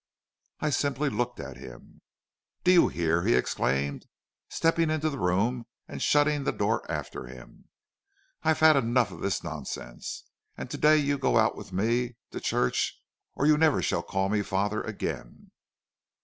"I simply looked at him. "'Do you hear?' he exclaimed, stepping into the room and shutting the door after him. 'I have had enough of this nonsense, and to day you go out with me to church or you never shall call me father again.'